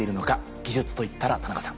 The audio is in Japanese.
技術といったら田中さん。